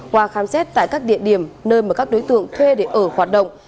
qua khám xét tại các địa điểm nơi mà các đối tượng thuê để ở hoạt động